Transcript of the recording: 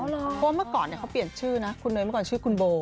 เพราะว่าเมื่อก่อนเขาเปลี่ยนชื่อนะคุณเนยเมื่อก่อนชื่อคุณโบ